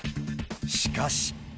しかし。